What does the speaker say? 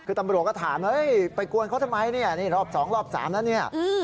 คือตำรวจก็ถามไปกวนเขาทำไมรอบ๒รอบ๓แล้วเนี่ย